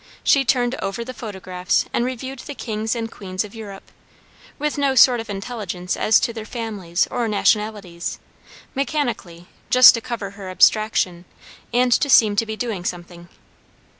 She turned over the photographs and reviewed the kings and queens of Europe, with no sort of intelligence as to their families or nationalities, mechanically, just to cover her abstraction, and to seem to be doing something.